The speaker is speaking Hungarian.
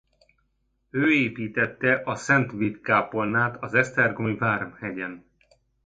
Ő építette a Szent Vid kápolnát az esztergomi várhegyen.